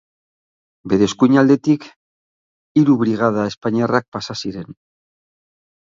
Bere eskuinaldetik hiru brigada espainiarrak pasa ziren.